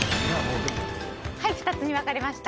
２つに分かれました。